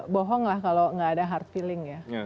bohong lah kalau nggak ada hard feeling ya